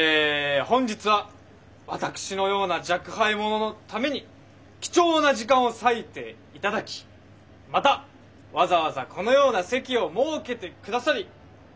本日は私のような若輩者のために貴重な時間を割いて頂きまたわざわざこのような席を設けて下さり誠にありがとうございます。